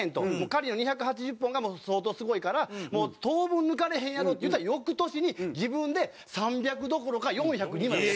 カリーの２８０本が相当すごいからもう当分抜かれへんやろっていってたら翌年に自分で３００どころか４０２まで。